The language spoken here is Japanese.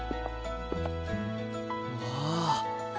わあ！